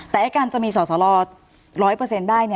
แต่แอคกังจะมีสดสอรรรอด๑๐๐ได้